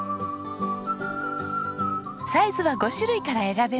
サイズは５種類から選べます。